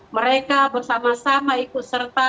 mereka bersama sama ikut serta